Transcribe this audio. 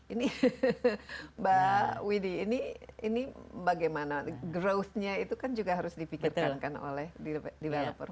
ini mbak widy ini bagaimana growthnya itu kan juga harus dipikirkan oleh developer